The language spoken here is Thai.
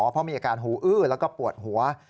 เพราะมีอาการหูอื้อแล้วก็ปวดหัว